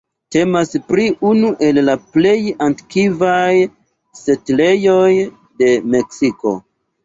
Temas pri unu el la plej antikvaj setlejoj de Meksiko.